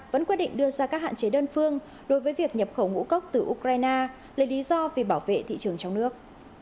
vẫn quyết định đưa ra các hạn chế đơn phương đối với việc nhập khẩu ngũ cốc từ ukraine là lý do vì bảo vệ thị trường trong nước